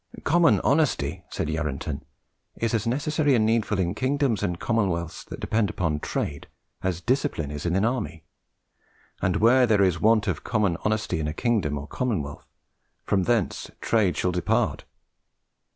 "Common Honesty," said Yarranton, "is as necessary and needful in kingdoms and commonwealths that depend upon Trade, as discipline is in an army; and where there is want of common Honesty in a kingdom or commonwealth, from thence Trade shall depart.